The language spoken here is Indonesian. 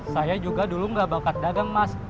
saya juga dulu nggak bakat dagang mas